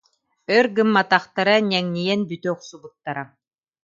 Өр гымматахтара, ньэҥнийэн бүтэ охсубуттара